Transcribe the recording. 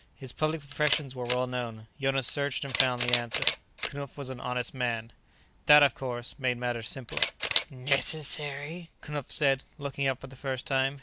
His public professions were well known; Jonas searched and found the answer. Knupf was an honest man. That, of course, made matters simpler. "Necessary?" Knupf said, looking up for the first time.